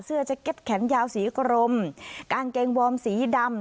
เสื้อแก๊สแขนยาวสีกรมกางเกงวอร์มสีดำ